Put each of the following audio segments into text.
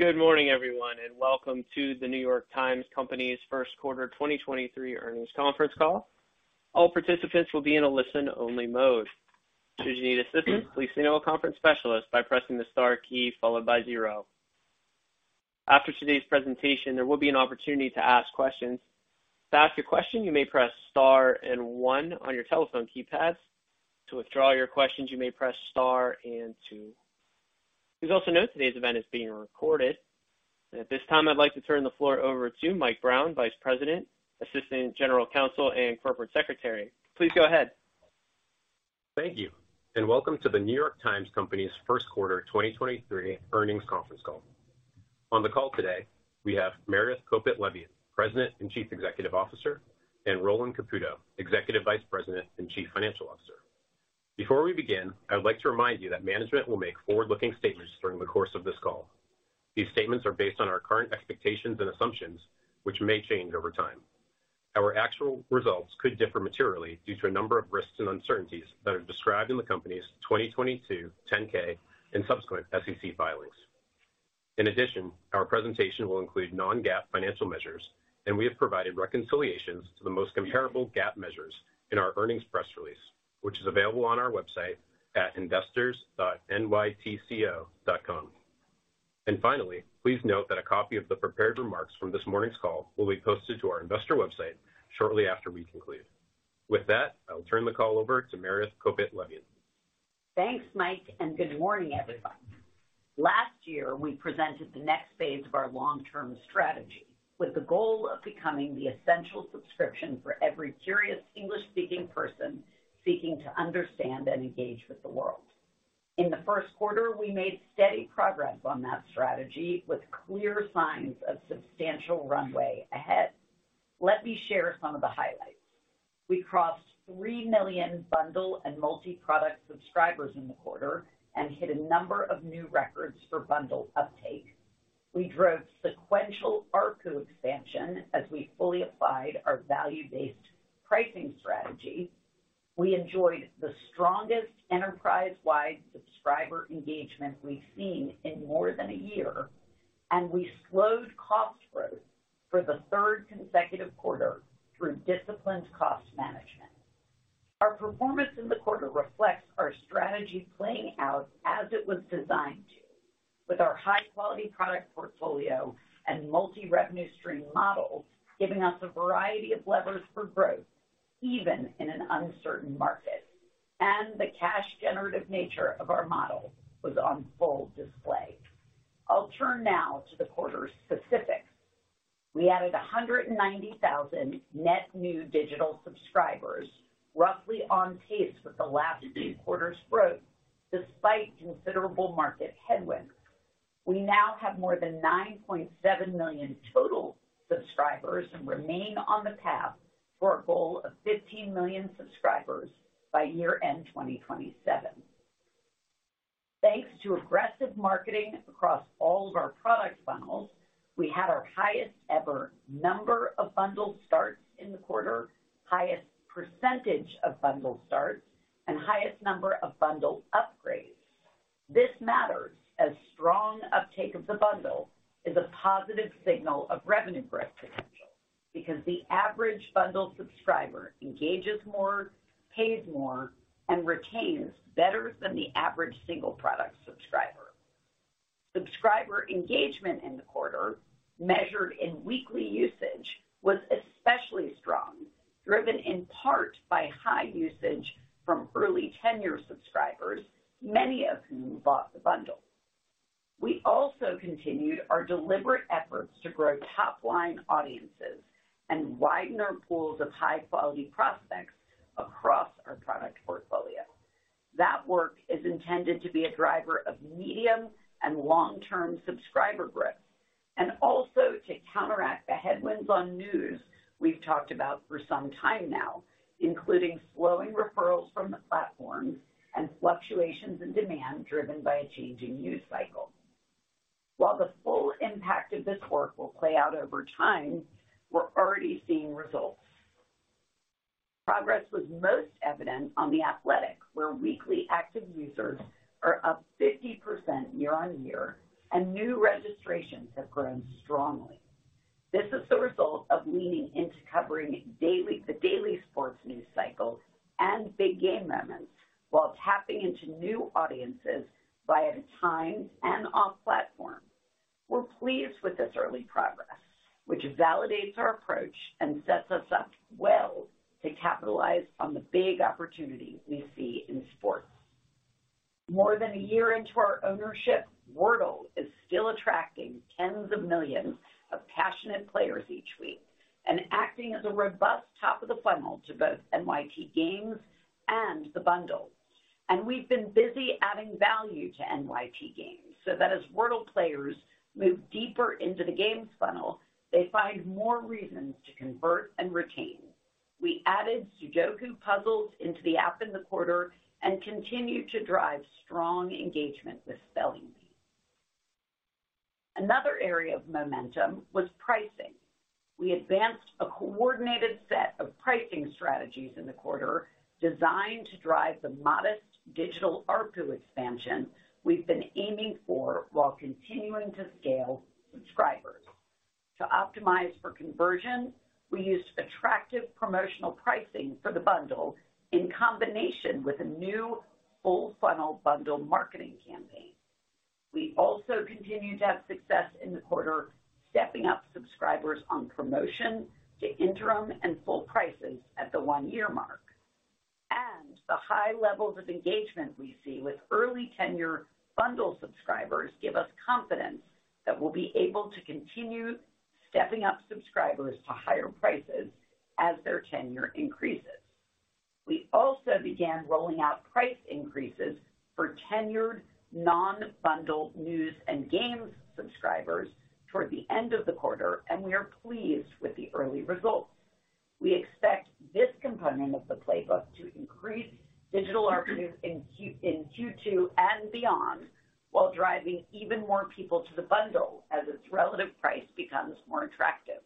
Good morning everyone, and welcome to the New York Times Company's first quarter 2023 earnings conference call. All participants will be in a listen-only mode. Should you need assistance, please let me know a conference specialist by pressing the star key followed by 0. After today's presentation, there will be an opportunity to ask questions. To ask your question, you may press star and 1 on your telephone keypads. To withdraw your questions, you may press star and 2. Please also note today's event is being recorded. At this time, I'd like to turn the floor over to Mike Brown, Vice President, Assistant General Counsel and Corporate Secretary. Please go ahead. Thank you. Welcome to The New York Times Company's first quarter 2023 earnings conference call. On the call today, we have Meredith Kopit Levien, President and Chief Executive Officer, and Roland Caputo, Executive Vice President and Chief Financial Officer. Before we begin, I would like to remind you that management will make forward-looking statements during the course of this call. These statements are based on our current expectations and assumptions, which may change over time. Our actual results could differ materially due to a number of risks and uncertainties that are described in the company's 2022 10-K and subsequent SEC filings. In addition, our presentation will include non-GAAP financial measures, and we have provided reconciliations to the most comparable GAAP measures in our earnings press release, which is available on our website at investors.nytco.com. Finally, please note that a copy of the prepared remarks from this morning's call will be posted to our investor website shortly after we conclude. With that, I will turn the call over to Meredith Kopit Levien. Thanks, Mike. Good morning, everyone. Last year, we presented the next phase of our long-term strategy with the goal of becoming the essential subscription for every curious English-speaking person seeking to understand and engage with the world. In the first quarter, we made steady progress on that strategy with clear signs of substantial runway ahead. Let me share some of the highlights. We crossed 3 million bundle and multi-product subscribers in the quarter and hit a number of new records for bundle uptake. We drove sequential ARPU expansion as we fully applied our value-based pricing strategy. We enjoyed the strongest enterprise-wide subscriber engagement we've seen in more than a year, and we slowed cost growth for the third consecutive quarter through disciplined cost management. Our performance in the quarter reflects our strategy playing out as it was designed to with our high-quality product portfolio and multi revenue stream model, giving us a variety of levers for growth even in an uncertain market. The cash generative nature of our model was on full display. I'll turn now to the quarter's specifics. We added 190,000 net new digital subscribers, roughly on pace with the last few quarters' growth despite considerable market headwinds. We now have more than 9.7 million total subscribers and remain on the path for a goal of 15 million subscribers by year-end 2027. Thanks to aggressive marketing across all of our product funnels, we had our highest ever number of bundle starts in the quarter, highest % of bundle starts, and highest number of bundle upgrades. This matters as strong uptake of the bundle is a positive signal of revenue growth potential because the average bundle subscriber engages more, pays more, and retains better than the average single product subscriber. Subscriber engagement in the quarter, measured in weekly usage, was especially strong, driven in part by high usage from early tenure subscribers, many of whom bought the bundle. We also continued our deliberate efforts to grow top-line audiences and widen our pools of high-quality prospects across our product portfolio. That work is intended to be a driver of medium and long-term subscriber growth, and also to counteract the headwinds on news we've talked about for some time now, including slowing referrals from the platforms and fluctuations in demand driven by a changing news cycle. While the full impact of this work will play out over time, we're already seeing results. Progress was most evident on The Athletic, where weekly active users are up 50% year-on-year and new registrations have grown strongly. This is the result of leaning into covering the daily sports news cycles and big game moments while tapping into new audiences via Times and off platform. We're pleased with this early progress, which validates our approach and sets us up well to capitalize on the big opportunity we see in sports. More than a year into our ownership, Wordle is still attracting tens of millions of passionate players each week and acting as a robust top of the funnel to both NYT Games and the bundle. We've been busy adding value to NYT Games so that as Wordle players move deeper into the games funnel, they find more reasons to convert and retain. We added Sudoku puzzles into the app in the quarter and continued to drive strong engagement with Spelling Bee. Another area of momentum was pricing. We advanced a coordinated set of pricing strategies in the quarter designed to drive the modest digital ARPU expansion we've been aiming for while continuing to scale subscribers. To optimize for conversion, we used attractive promotional pricing for the bundle in combination with a new full-funnel bundle marketing campaign. We also continued to have success in the quarter, stepping up subscribers on promotion to interim and full prices at the one-year mark. The high levels of engagement we see with early tenure bundle subscribers give us confidence that we'll be able to continue stepping up subscribers to higher prices as their tenure increases. We also began rolling out price increases for tenured non-bundle news and games subscribers toward the end of the quarter. We are pleased with the early results. We expect this component of the playbook to increase digital ARPUs in Q2 and beyond while driving even more people to the bundle as its relative price becomes more attractive.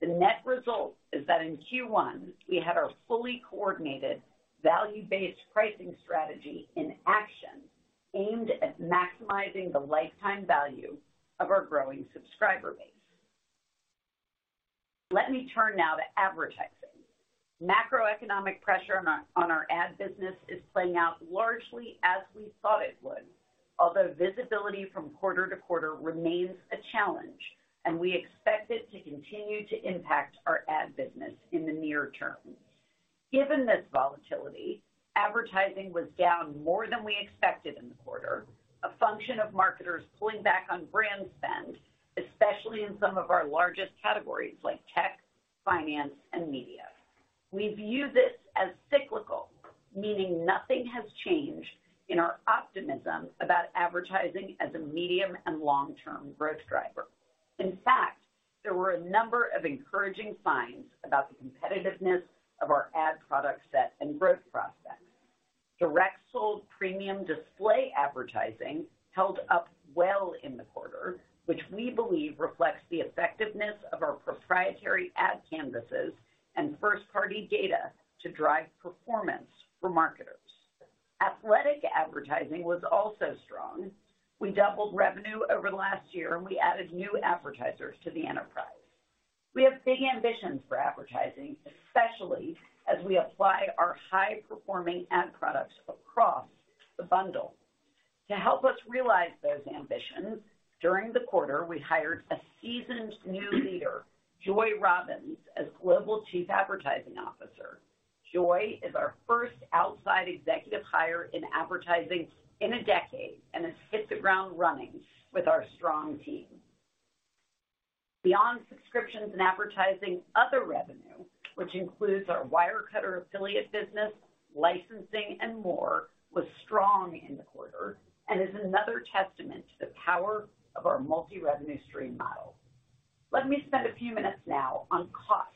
The net result is that in Q1, we had our fully coordinated value-based pricing strategy in action aimed at maximizing the lifetime value of our growing subscriber base. Let me turn now to advertising. Macroeconomic pressure on our ad business is playing out largely as we thought it would, although visibility from quarter to quarter remains a challenge. We expect it to continue to impact our ad business in the near term. Given this volatility, advertising was down more than we expected in the quarter, a function of marketers pulling back on brand spend, especially in some of our largest categories like tech, finance, and media. We view this as cyclical, meaning nothing has changed in our optimism about advertising as a medium- and long-term growth driver. In fact, there were a number of encouraging signs about the competitiveness of our ad product set and growth prospects. Direct sold premium display advertising held up well in the quarter, which we believe reflects the effectiveness of our proprietary ad canvases and first-party data to drive performance for marketers. Athletic advertising was also strong. We doubled revenue over the last year, and we added new advertisers to the enterprise. We have big ambitions for advertising, especially as we apply our high-performing ad products across the bundle. To help us realize those ambitions, during the quarter, we hired a seasoned new leader, Joy Robins, as Global Chief Advertising Officer. Joy is our first outside executive hire in advertising in a decade and has hit the ground running with our strong team. Beyond subscriptions and advertising, other revenue, which includes our Wirecutter affiliate business, licensing, and more, was strong in the quarter and is another testament to the power of our multi-revenue stream model. Let me spend a few minutes now on costs.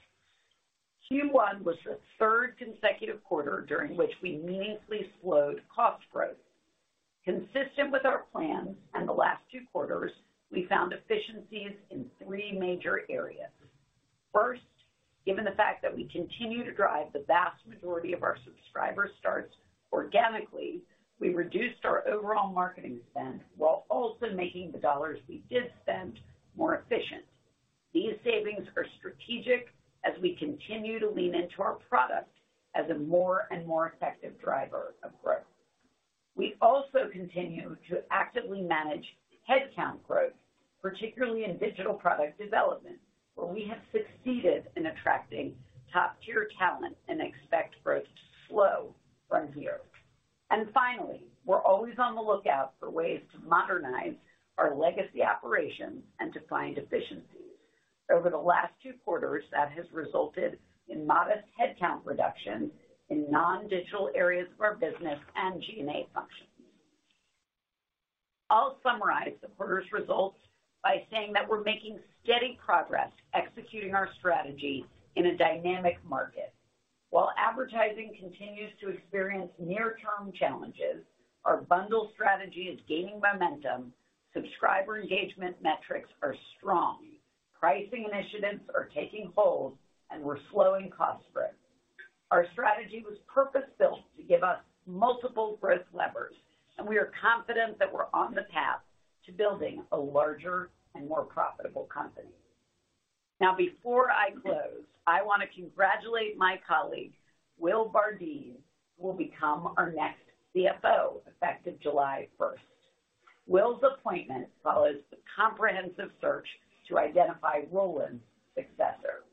Q1 was the third consecutive quarter during which we meaningfully slowed cost growth. Consistent with our plans and the last 2 quarters, we found efficiencies in 3 major areas. First, given the fact that we continue to drive the vast majority of our subscriber starts organically, we reduced our overall marketing spend while also making the dollars we did spend more efficient. These savings are strategic as we continue to lean into our product as a more and more effective driver of growth. We also continue to actively manage headcount growth, particularly in digital product development, where we have succeeded in attracting top-tier talent and expect growth to slow from here. Finally, we're always on the lookout for ways to modernize our legacy operations and to find efficiencies. Over the last two quarters, that has resulted in modest headcount reduction in non-digital areas of our business and G&A functions. I'll summarize the quarter's results by saying that we're making steady progress executing our strategy in a dynamic market. While advertising continues to experience near-term challenges, our bundle strategy is gaining momentum, subscriber engagement metrics are strong, pricing initiatives are taking hold, and we're slowing cost spread. Our strategy was purpose-built to give us multiple growth levers, and we are confident that we're on the path to building a larger and more profitable company. Before I close, I want to congratulate my colleague, William Bardeen, who will become our next CFO effective July first. Will's appointment follows a comprehensive search to identify Roland's successor.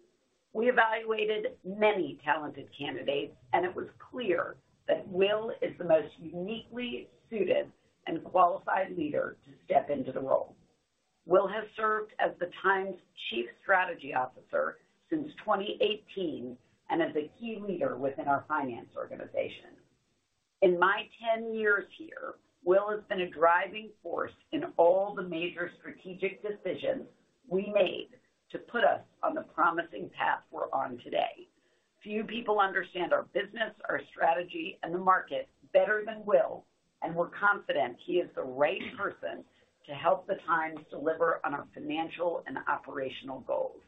We evaluated many talented candidates, and it was clear that Will is the most uniquely suited and qualified leader to step into the role. Will has served as The Times Chief Strategy Officer since 2018 and is a key leader within our finance organization. In my 10 years here, Will has been a driving force in all the major strategic decisions we made to put us on the promising path we're on today. Few people understand our business, our strategy, and the market better than Will, and we're confident he is the right person to help The Times deliver on our financial and operational goals.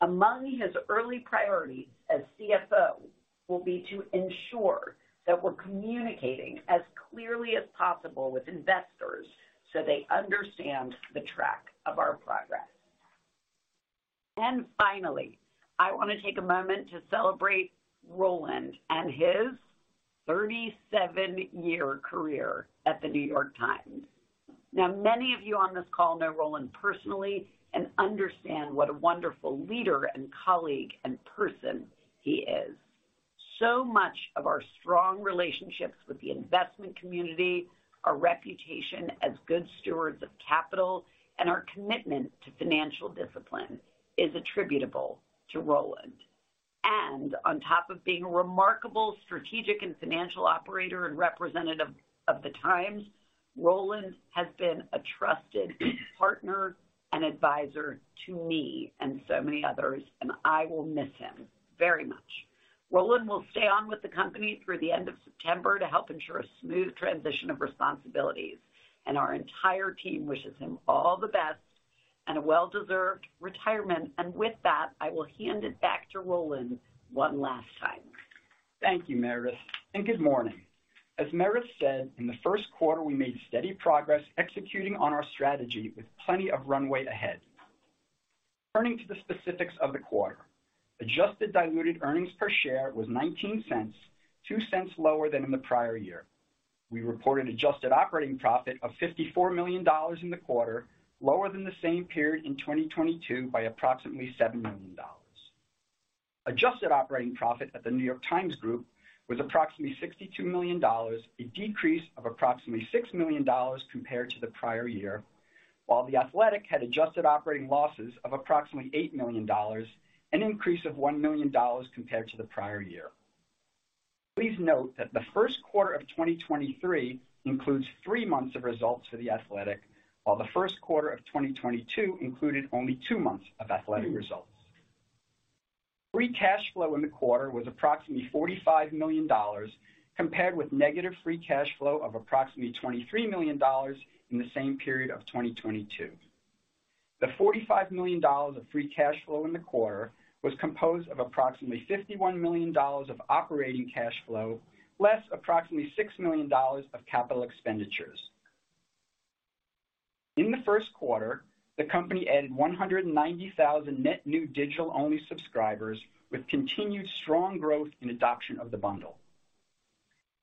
Among his early priorities as CFO will be to ensure that we're communicating as clearly as possible with investors so they understand the track of our progress. Finally, I want to take a moment to celebrate Roland and his 37-year career at The New York Times. Many of you on this call know Roland personally and understand what a wonderful leader and colleague and person he is. Much of our strong relationships with the investment community, our reputation as good stewards of capital, and our commitment to financial discipline is attributable to Roland. On top of being a remarkable strategic and financial operator and representative of The Times, Roland has been a trusted partner and advisor to me and so many others, and I will miss him very much. Roland will stay on with the company through the end of September to help ensure a smooth transition of responsibilities. Our entire team wishes him all the best and a well-deserved retirement. With that, I will hand it back to Roland one last time. Thank you, Meredith. Good morning. As Meredith said, in the first quarter, we made steady progress executing on our strategy with plenty of runway ahead. Turning to the specifics of the quarter, adjusted diluted earnings per share was $0.19, $0.02 lower than in the prior year. We reported adjusted operating profit of $54 million in the quarter, lower than the same period in 2022 by approximately $7 million. Adjusted operating profit at The New York Times Group was approximately $62 million, a decrease of approximately $6 million compared to the prior year, while The Athletic had adjusted operating losses of approximately $8 million, an increase of $1 million compared to the prior year. Please note that the first quarter of 2023 includes 3 months of results for The Athletic, while the first quarter of 2022 included only 2 months of Athletic results. Free cash flow in the quarter was approximately $45 million, compared with negative free cash flow of approximately $23 million in the same period of 2022. The $45 million of free cash flow in the quarter was composed of approximately $51 million of operating cash flow, less approximately $6 million of capital expenditures. In the first quarter, the company added 190,000 net new digital-only subscribers, with continued strong growth in adoption of the bundle.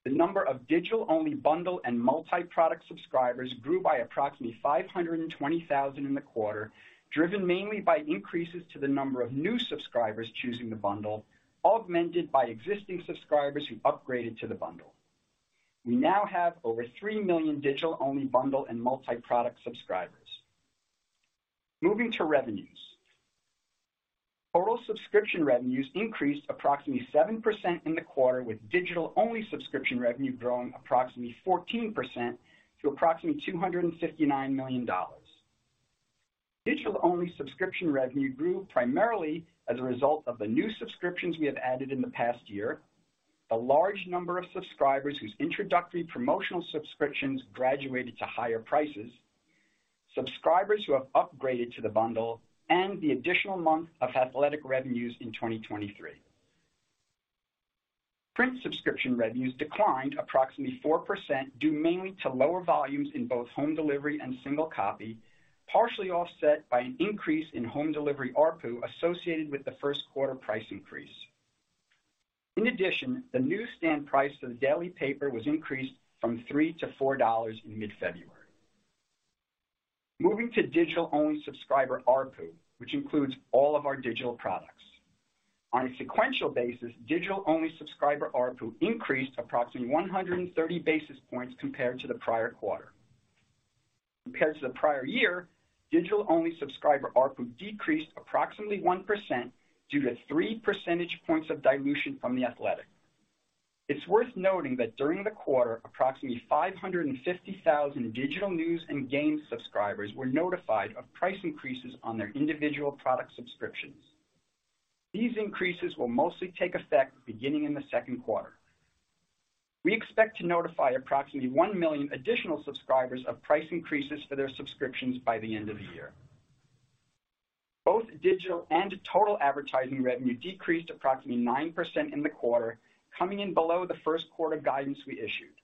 The number of digital-only bundle and multi-product subscribers grew by approximately 520,000 in the quarter, driven mainly by increases to the number of new subscribers choosing the bundle, augmented by existing subscribers who upgraded to the bundle. We now have over 3 million digital-only bundle and multi-product subscribers. Moving to revenues. Total subscription revenues increased approximately 7% in the quarter, with digital-only subscription revenue growing approximately 14% to approximately $259 million. Digital-only subscription revenue grew primarily as a result of the new subscriptions we have added in the past year, a large number of subscribers whose introductory promotional subscriptions graduated to higher prices, subscribers who have upgraded to the bundle, and the additional month of Athletic revenues in 2023. Print subscription revenues declined approximately 4%, due mainly to lower volumes in both home delivery and single copy, partially offset by an increase in home delivery ARPU associated with the first quarter price increase. In addition, the newsstand price for the daily paper was increased from $3-$4 in mid-February. Moving to digital-only subscriber ARPU, which includes all of our digital products. On a sequential basis, digital-only subscriber ARPU increased approximately 130 basis points compared to the prior quarter. Compared to the prior year, digital-only subscriber ARPU decreased approximately 1% due to 3 percentage points of dilution from The Athletic. It's worth noting that during the quarter, approximately 550,000 digital news and game subscribers were notified of price increases on their individual product subscriptions. These increases will mostly take effect beginning in the second quarter. We expect to notify approximately 1 million additional subscribers of price increases for their subscriptions by the end of the year. Both digital and total advertising revenue decreased approximately 9% in the quarter, coming in below the first quarter guidance we issued.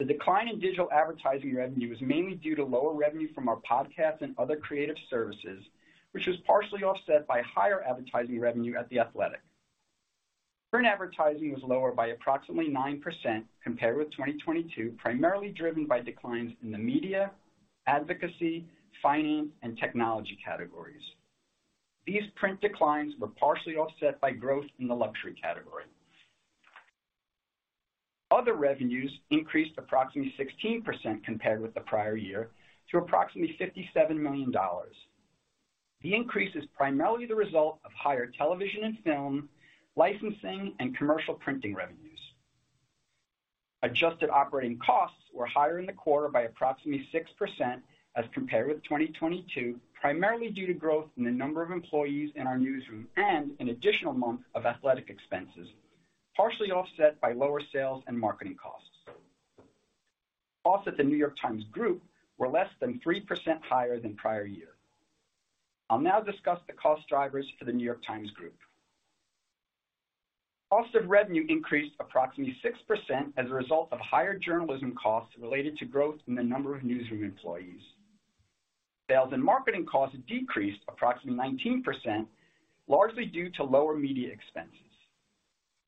The decline in digital advertising revenue is mainly due to lower revenue from our podcasts and other creative services, which was partially offset by higher advertising revenue at The Athletic. Print advertising was lower by approximately 9% compared with 2022, primarily driven by declines in the media, advocacy, finance, and technology categories. These print declines were partially offset by growth in the luxury category. Other revenues increased approximately 16% compared with the prior year to approximately $57 million. The increase is primarily the result of higher television and film licensing and commercial printing revenues. Adjusted operating costs were higher in the quarter by approximately 6% as compared with 2022, primarily due to growth in the number of employees in our newsroom and an additional month of The Athletic expenses, partially offset by lower sales and marketing costs. Costs at The New York Times Group were less than 3% higher than prior year. I'll now discuss the cost drivers for The New York Times Group. Cost of revenue increased approximately 6% as a result of higher journalism costs related to growth in the number of newsroom employees. Sales and marketing costs decreased approximately 19%, largely due to lower media expenses.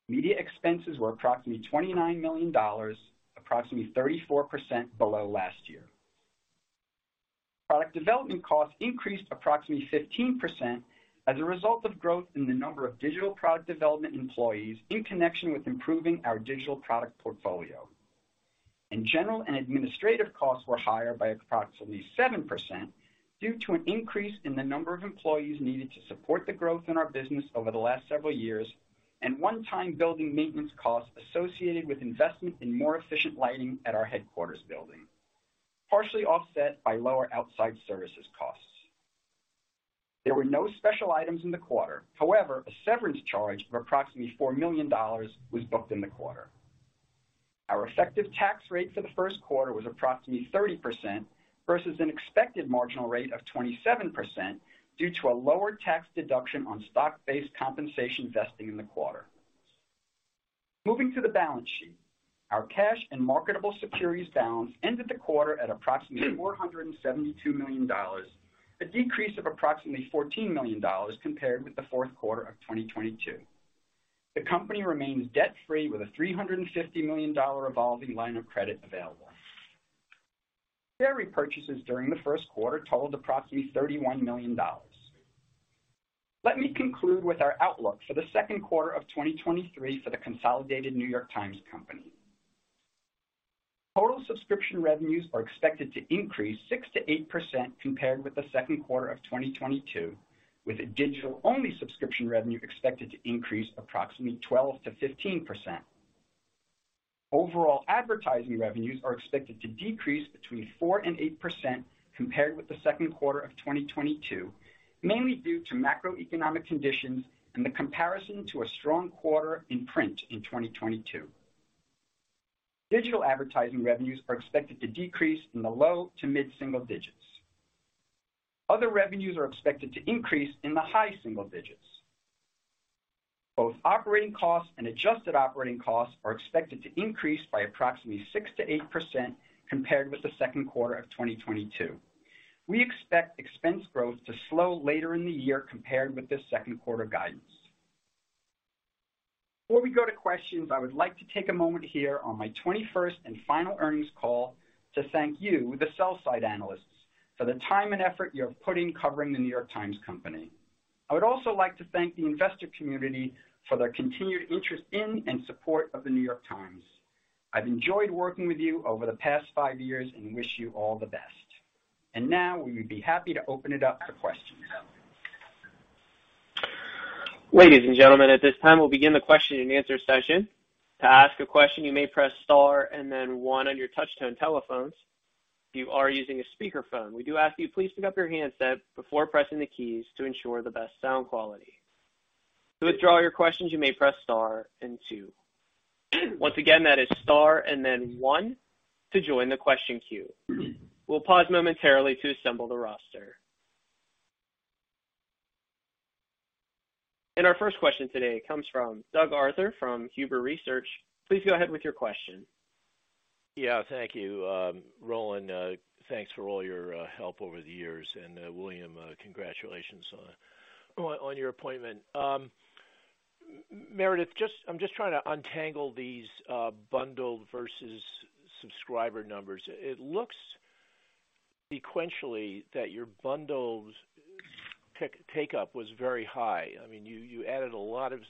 Media expenses were approximately $29 million, approximately 34% below last year. Product development costs increased approximately 15% as a result of growth in the number of digital product development employees in connection with improving our digital product portfolio. General and administrative costs were higher by approximately 7% due to an increase in the number of employees needed to support the growth in our business over the last several years, and one-time building maintenance costs associated with investment in more efficient lighting at our headquarters building, partially offset by lower outside services costs. There were no special items in the quarter. However, a severance charge of approximately $4 million was booked in the quarter. Our effective tax rate for the first quarter was approximately 30% versus an expected marginal rate of 27% due to a lower tax deduction on stock-based compensation vesting in the quarter. Moving to the balance sheet. Our cash and marketable securities balance ended the quarter at approximately $472 million, a decrease of approximately $14 million compared with the fourth quarter of 2022. The company remains debt-free with a $350 million revolving line of credit available. Share repurchases during the first quarter totaled approximately $31 million. Let me conclude with our outlook for the second quarter of 2023 for the consolidated New York Times Company. Total subscription revenues are expected to increase 6%-8% compared with the second quarter of 2022, with a digital-only subscription revenue expected to increase approximately 12%-15%. Overall advertising revenues are expected to decrease between 4% and 8% compared with the second quarter of 2022, mainly due to macroeconomic conditions and the comparison to a strong quarter in print in 2022. Digital advertising revenues are expected to decrease in the low to mid-single digits. Other revenues are expected to increase in the high single digits. Both operating costs and adjusted operating costs are expected to increase by approximately 6%-8% compared with the second quarter of 2022. We expect expense growth to slow later in the year compared with this second qarter guidance. Before we go to questions, I would like to take a moment here on my 21st and final earnings call to thank you, the sell side analysts, for the time and effort you have put in covering The New York Times Company. I would also like to thank the investor community for their continued interest in and support of The New York Times. I've enjoyed working with you over the past five years and wish you all the best. Now we would be happy to open it up to questions. Ladies and gentlemen, at this time, we'll begin the question-and-answer session. To ask a question, you may press star and then one on your touch tone telephones. If you are using a speakerphone, we do ask you please pick up your handset before pressing the keys to ensure the best sound quality. To withdraw your questions, you may press star and two. Once again, that is star and then one to join the question queue. We'll pause momentarily to assemble the roster. Our first question today comes from Doug Arthur from Huber Research Partners. Please go ahead with your question. Yeah, thank you, Roland, thanks for all your help over the years. William, congratulations on your appointment. Meredith, I'm just trying to untangle these bundled versus subscriber numbers. It looks sequentially that your bundles take up was very high. I mean, you added a lot of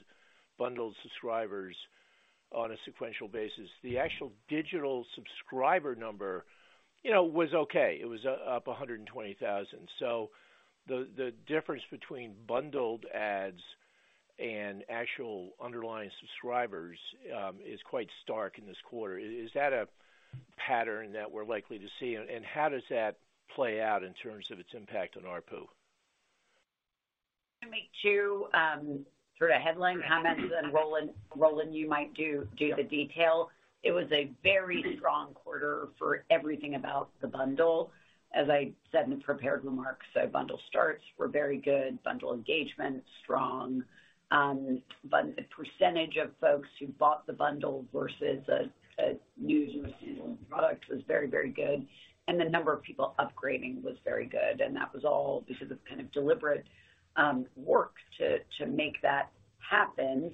bundled subscribers on a sequential basis. The actual digital subscriber number, you know, was okay. It was up 120,000. So the difference between bundled ads and actual underlying subscribers is quite stark in this quarter. Is that a pattern that we're likely to see? How does that play out in terms of its impact on ARPU? I'll make 2 sort of headline comments. Roland, you might do the detail. It was a very strong quarter for everything about the bundle, as I said in the prepared remarks. Bundle starts were very good. Bundle engagement, strong. The percentage of folks who bought the bundle versus a news and a seasonal product was very, very good, and the number of people upgrading was very good. That was all because of kind of deliberate work to make that happen.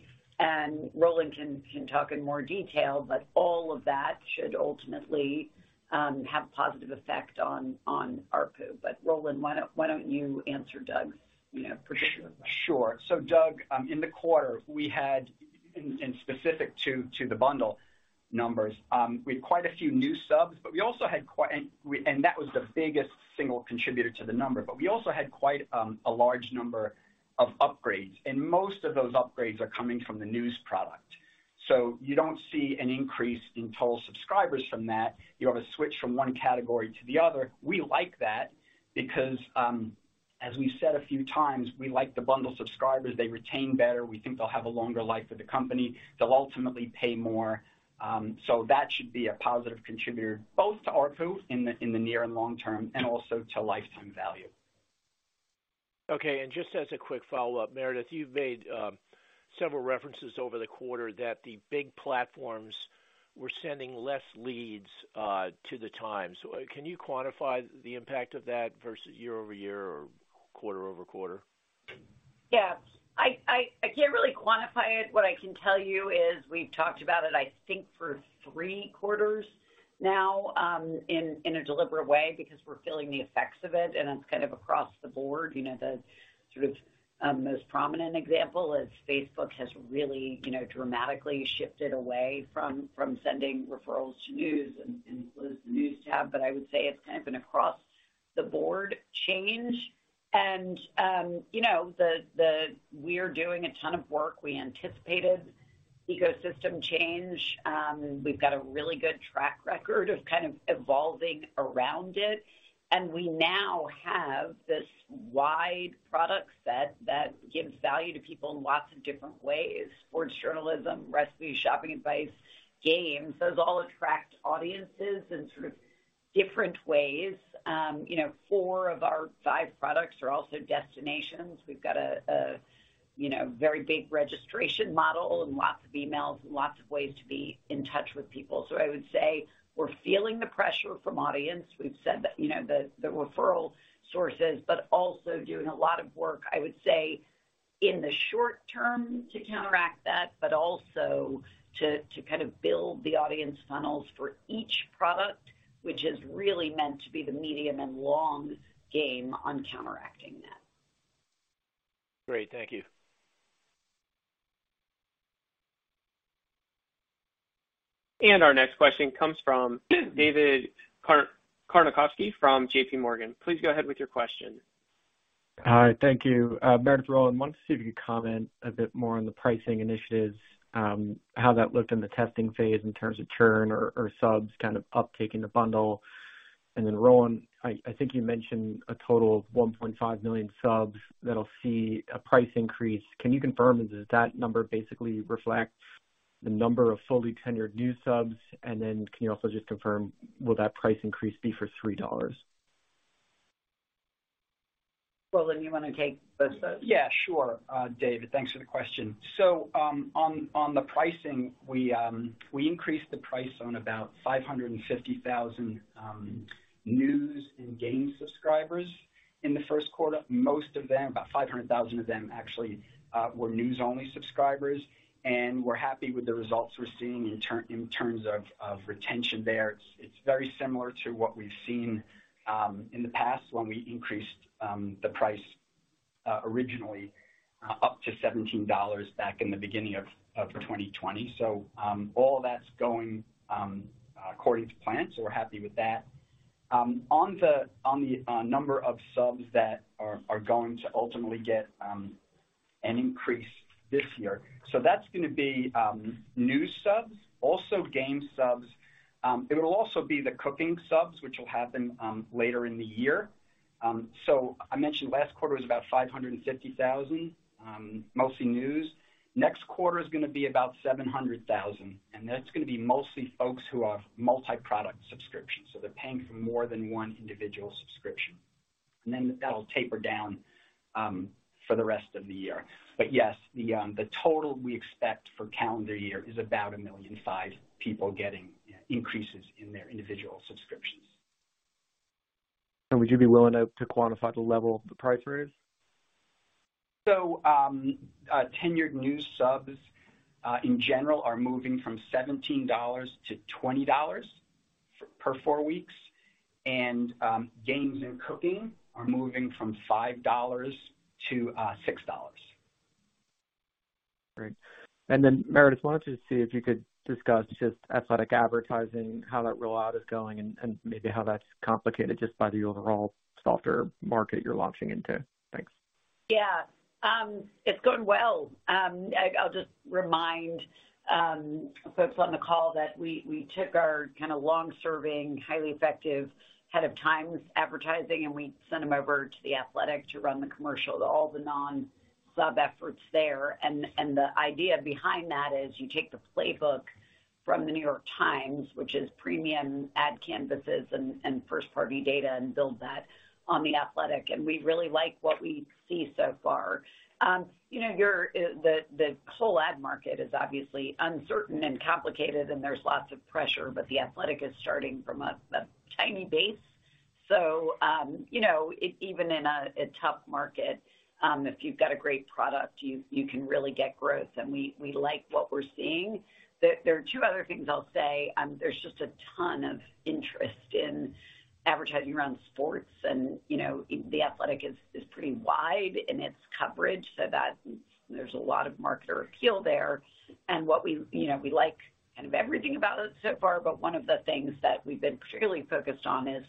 Roland can talk in more detail, but all of that should ultimately have a positive effect on ARPU. Roland, why don't you answer Doug's, you know, particular question? Sure. Doug, in the quarter we had, in specific to the bundle numbers, we had quite a few new subs, but we also had quite. That was the biggest single contributor to the number. We also had quite a large number of upgrades, and most of those upgrades are coming from the news product. So you don't see an increase in total subscribers from that. You have a switch from one category to the other. We like that because, as we've said a few times, we like to bundle subscribers. They retain better. We think they'll have a longer life with the company. They'll ultimately pay more. That should be a positive contributor both to ARPU in the near and long term and also to lifetime value. Okay. Just as a quick follow-up, Meredith, you've made, several references over the quarter that the big platforms were sending less leads, to the Times. Can you quantify the impact of that versus year-over-year or quarter-over-quarter? I can't really quantify it. What I can tell you is we've talked about it, I think, for three quarters now, in a deliberate way because we're feeling the effects of it, and it's kind of across the board. You know, the sort of, most prominent example is Facebook has really, you know, dramatically shifted away from sending referrals to news and closed the news tab. I would say it's kind of been across the board change. You know, we're doing a ton of work. We anticipated ecosystem change. We've got a really good track record of kind of evolving around it. We now have this wide product set that gives value to people in lots of different ways. Sports journalism, recipes, shopping advice, games, those all attract audiences in sort of different ways. You know, four of our five products are also destinations. We've got a, you know, very big registration model and lots of emails and lots of ways to be in touch with people. I would say we're feeling the pressure from audience. We've said that, you know, the referral sources, but also doing a lot of work, I would say, in the short term to counteract that, but also to kind of build the audience funnels for each product, which is really meant to be the medium and long game on counteracting that. Great. Thank you. Our next question comes from David Karnovsky from JPMorgan. Please go ahead with your question. Hi. Thank you. Meredith, Roland, wanted to see if you could comment a bit more on the pricing initiatives, how that looked in the testing phase in terms of churn or subs kind of uptaking the bundle. Roland, I think you mentioned a total of 1.5 million subs that'll see a price increase. Can you confirm if that number basically reflects the number of fully tenured new subs? Can you also just confirm will that price increase be for $3? Roland, you wanna take both those? Yeah, sure, Meridith, thanks for the question. On the pricing, we increased the price on about 550,000 news and game subscribers in the first quarter. Most of them, about 500,000 of them, actually, were news-only subscribers, and we're happy with the results we're seeing in terms of retention there. It's very similar to what we've seen in the past when we increased the price originally up to $17 back in the beginning of 2020. All that's going according to plan, so we're happy with that. On the number of subs that are going to ultimately get an increase this year. That's gonna be news subs, also game subs. It'll also be the cooking subs, which will happen later in the year. I mentioned last quarter was about 550,000, mostly news. Next quarter is gonna be about 700,000, and that's gonna be mostly folks who are multi-product subscriptions, so they're paying for more than one individual subscription. That'll taper down for the rest of the year. Yes, the total we expect for calendar year is about 1,500,000 people getting increases in their individual subscriptions. Would you be willing to quantify the level of the price raise? Tenured news subs in general are moving from $17 to $20 per four weeks. Games and cooking are moving from $5 to $6. Great. Meredith, wanted to see if you could discuss just Athletic advertising, how that rollout is going, and maybe how that's complicated just by the overall softer market you're launching into. Thanks. Yeah. It's going well. I'll just remind folks on the call that we took our kinda long-serving, highly effective head of Times advertising, and we sent them over to The Athletic to run the commercial, all the non-sub efforts there. The idea behind that is you take the playbook from The New York Times, which is premium ad canvases and first-party data, and build that on The Athletic, and we really like what we see so far. You know, the whole ad market is obviously uncertain and complicated, and there's lots of pressure, but The Athletic is starting from a tiny base. You know, even in a tough market, if you've got a great product, you can really get growth, and we like what we're seeing. There are two other things I'll say. There's just a ton of interest in advertising around sports, and, you know, The Athletic is pretty wide in its coverage so that there's a lot of marketer appeal there. What we, you know, we like kind of everything about it so far, but one of the things that we've been clearly focused on is.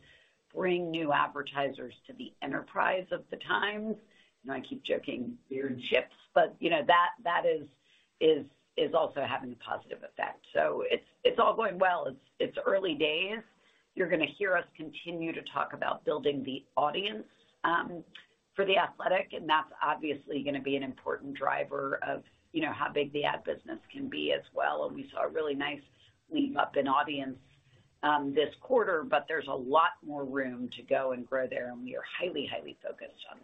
Bring new advertisers to the enterprise of The Times. Now, I keep joking, beer and chips, but, you know, that is also having a positive effect. It's all going well. It's early days. You're gonna hear us continue to talk about building the audience for The Athletic, that's obviously gonna be an important driver of, you know, how big the ad business can be as well. We saw a really nice leap up in audience, this quarter, but there's a lot more room to go and grow there, and we are highly focused on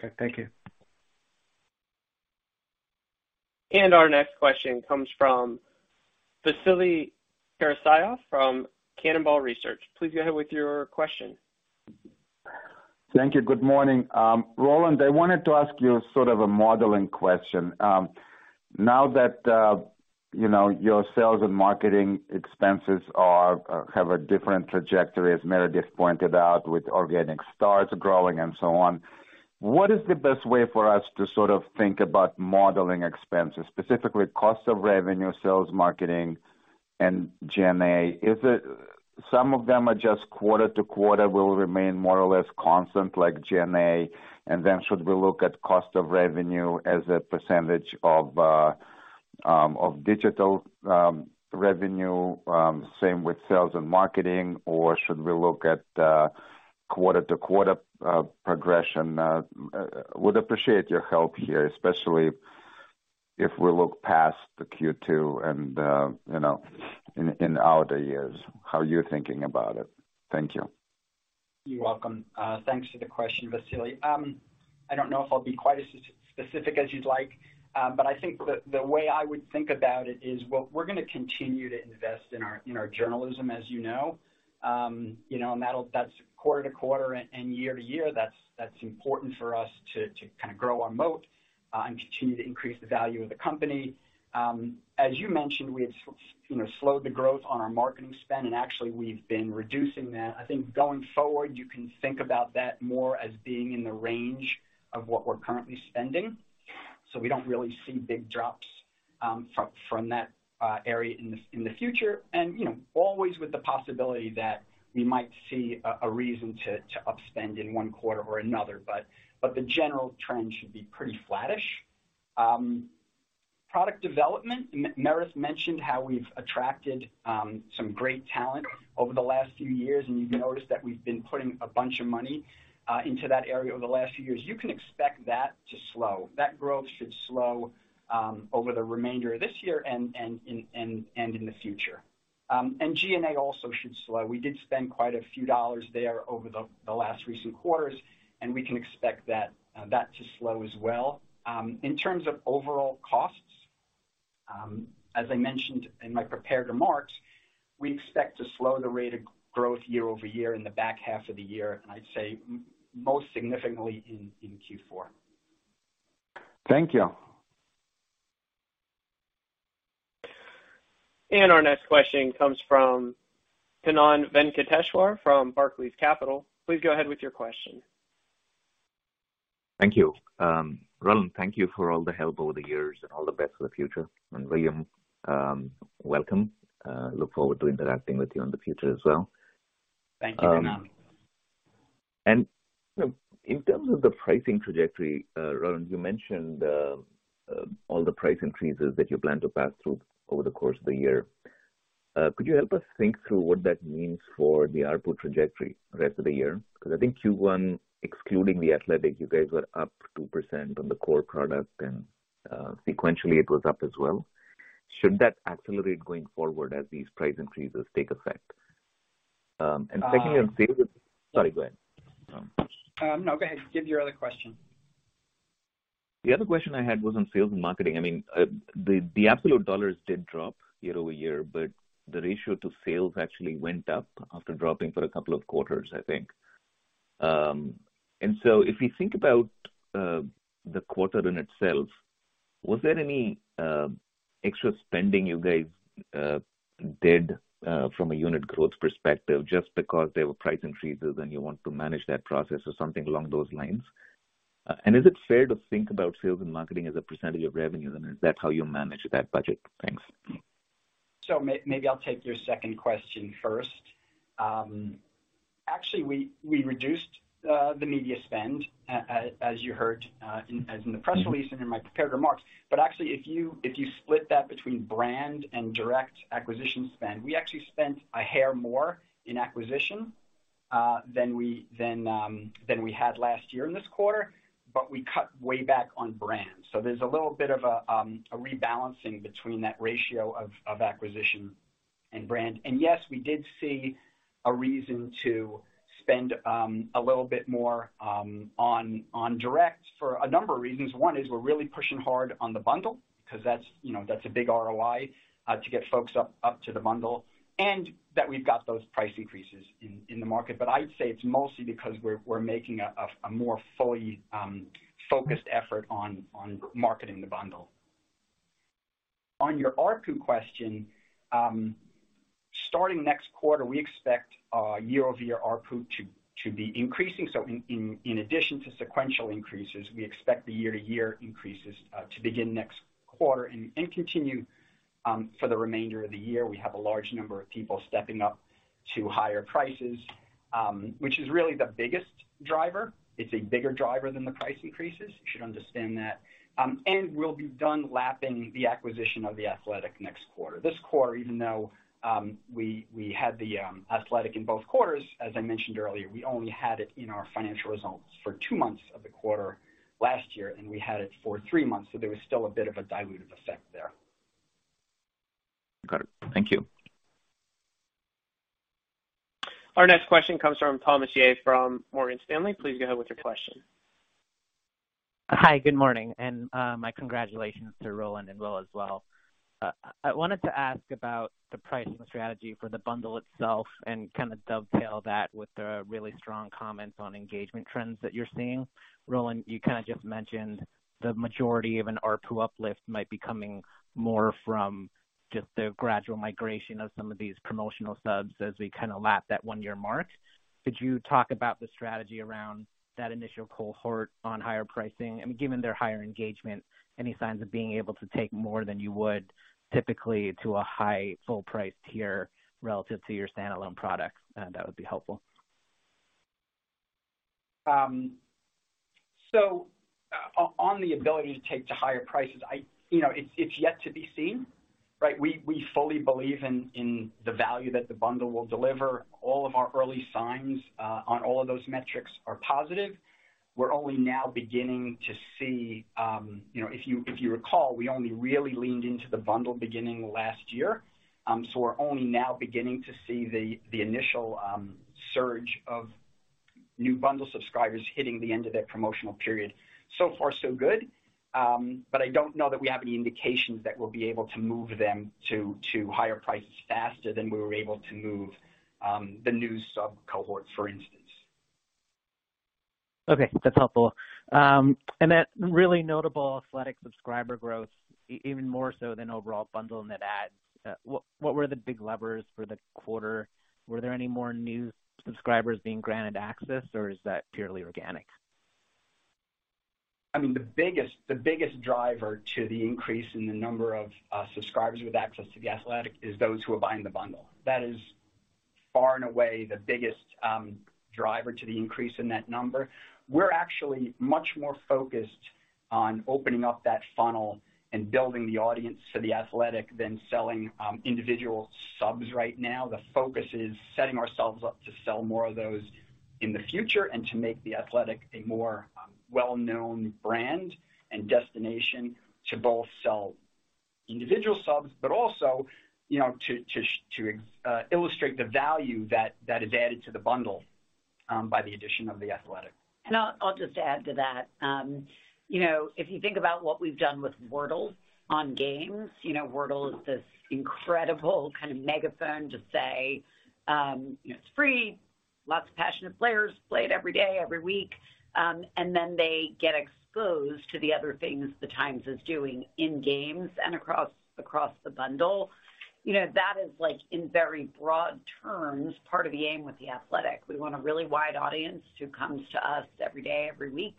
that. Okay. Thank you. Our next question comes from Vasily Karasyov from Cannonball Research. Please go ahead with your question. Thank you. Good morning. Roland, I wanted to ask you sort of a modeling question. Now that, you know, your sales and marketing expenses have a different trajectory, as Meredith pointed out, with Organic Starts growing and so on, what is the best way for us to sort of think about modeling expenses, specifically cost of revenue, sales, marketing and G&A? Is it some of them are just quarter to quarter will remain more or less constant like G&A? Should we look at cost of revenue as a percentage of digital revenue, same with sales and marketing, or should we look at quarter-to-quarter progression? Would appreciate your help here, especially if we look past the Q2 and, you know, in outer years, how you're thinking about it. Thank you. You're welcome. Thanks for the question, Vasily. I don't know if I'll be quite as specific as you'd like, but I think the way I would think about it is what we're gonna continue to invest in our journalism, as you know. you know, that's quarter to quarter and year to year, that's important for us to kind of grow our moat and continue to increase the value of the company. as you mentioned, we have you know, slowed the growth on our marketing spend, and actually we've been reducing that. I think going forward, you can think about that more as being in the range of what we're currently spending. We don't really see big drops from that area in the future and, you know, always with the possibility that we might see a reason to upspend in one quarter or another. The general trend should be pretty flattish. Product development. Meredith mentioned how we've attracted some great talent over the last few years, and you've noticed that we've been putting a bunch of money into that area over the last few years. You can expect that to slow. That growth should slow over the remainder of this year and in the future. G&A also should slow. We did spend quite a few dollars there over the last recent quarters, and we can expect that to slow as well. In terms of overall costs, as I mentioned in my prepared remarks, we expect to slow the rate of growth year-over-year in the back half of the year. I'd say most significantly in Q4. Thank you. Our next question comes from Kannan Venkateshwar from Barclays Capital. Please go ahead with your question. Thank you. Roland Caputo, thank you for all the help over the years and all the best for the future. William Bardeen, welcome. Look forward to interacting with you on the future as well. Thank you, Kannan. You know, in terms of the pricing trajectory, Roland, you mentioned all the price increases that you plan to pass through over the course of the year. Could you help us think through what that means for the ARPU trajectory rest of the year? I think Q1, excluding The Athletic, you guys were up 2% on the core product and sequentially it was up as well. Should that accelerate going forward as these price increases take effect? Second, sorry, go ahead. No, go ahead. Give your other question. The other question I had was on sales and marketing. I mean, the absolute dollars did drop year-over-year, but the ratio to sales actually went up after dropping for a couple of quarters, I think. If we think about the quarter in itself, was there any extra spending you guys did from a unit growth perspective just because there were price increases and you want to manage that process or something along those lines? Is it fair to think about sales and marketing as a percentage of revenue, and is that how you manage that budget? Thanks. Maybe I'll take your second question first. Actually, we reduced the media spend as you heard as in the press release and in my prepared remarks. Actually, if you split that between brand and direct acquisition spend, we actually spent a hair more in acquisition than we had last year in this quarter, but we cut way back on brand. There's a little bit of a rebalancing between that ratio of acquisition and brand. Yes, we did see a reason to spend a little bit more on direct for a number of reasons. One is we're really pushing hard on the bundle because that's, you know, that's a big ROI to get folks up to the bundle, and that we've got those price increases in the market. I'd say it's mostly because we're making a more fully focused effort on marketing the bundle. On your ARPU question, starting next quarter, we expect year-over-year ARPU to be increasing. In addition to sequential increases, we expect the year-to-year increases to begin next quarter and continue. For the remainder of the year, we have a large number of people stepping up to higher prices, which is really the biggest driver. It's a bigger driver than the price increases. You should understand that. And we'll be done lapping the acquisition of The Athletic next quarter. This quarter, even though we had The Athletic in both quarters, as I mentioned earlier, we only had it in our financial results for two months of the quarter last year, and we had it for three months, so there was still a bit of a diluted effect there. Got it. Thank you. Our next question comes from Thomas Yeh from Morgan Stanley. Please go ahead with your question. Hi, good morning. My congratulations to Roland and Will as well. I wanted to ask about the pricing strategy for the bundle itself and kind of dovetail that with the really strong comments on engagement trends that you're seeing. Roland, you kind of just mentioned the majority of an ARPU uplift might be coming more from just the gradual migration of some of these promotional subs as we kind of lap that 1-year mark. Could you talk about the strategy around that initial cohort on higher pricing? I mean, given their higher engagement, any signs of being able to take more than you would typically to a high full price tier relative to your standalone products? That would be helpful. On the ability to take to higher prices, you know, it's yet to be seen, right? We fully believe in the value that the bundle will deliver. All of our early signs on all of those metrics are positive. We're only now beginning to see, you know. If you recall, we only really leaned into the bundle beginning last year, we're only now beginning to see the initial surge of new bundle subscribers hitting the end of their promotional period. Far so good. I don't know that we have any indications that we'll be able to move them to higher prices faster than we were able to move the new sub cohort, for instance. Okay, that's helpful. That really notable Athletic subscriber growth, even more so than overall bundle net adds, what were the big levers for the quarter? Were there any more new subscribers being granted access, or is that purely organic? I mean, the biggest driver to the increase in the number of subscribers with access to The Athletic is those who are buying the bundle. That is far and away the biggest driver to the increase in that number. We're actually much more focused on opening up that funnel and building the audience to The Athletic than selling individual subs right now. The focus is setting ourselves up to sell more of those in the future and to make The Athletic a more well-known brand and destination to both sell individual subs, but also, you know, to illustrate the value that is added to the bundle by the addition of The Athletic. I'll just add to that. You know, if you think about what we've done with Wordle on games, you know, Wordle is this incredible kind of megaphone to say, you know, it's free, lots of passionate players play it every day, every week, and then they get exposed to the other things the Times is doing in games and across the bundle. You know, that is like, in very broad terms, part of the aim with The Athletic. We want a really wide audience who comes to us every day, every week,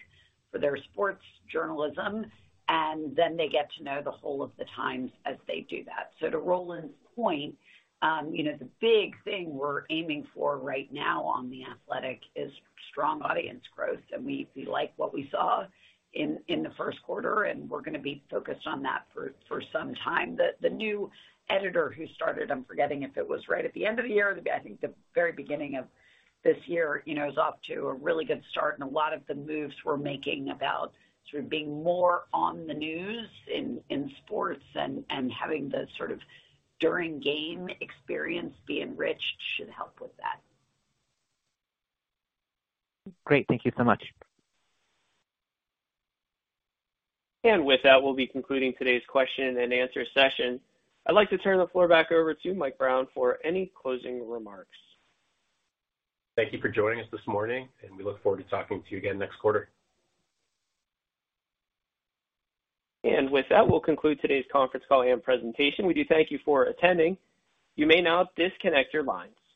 for their sports journalism, and then they get to know the whole of the Times as they do that. To Roland's point, you know, the big thing we're aiming for right now on The Athletic is strong audience growth, and we like what we saw in the first quarter, and we're gonna be focused on that for some time. The new editor who started, I'm forgetting if it was right at the end of the year or I think the very beginning of this year, you know, is off to a really good start, and a lot of the moves we're making about sort of being more on the news in sports and having the sort of during game experience be enriched should help with that. Great. Thank you so much. With that, we'll be concluding today's question and answer session. I'd like to turn the floor back over to Mike Brown for any closing remarks. Thank you for joining us this morning, and we look forward to talking to you again next quarter. With that, we'll conclude today's conference call and presentation. We do thank you for attending. You may now disconnect your lines.